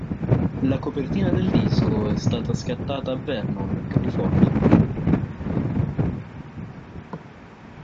La copertina del disco è stata scattata a Vernon, California.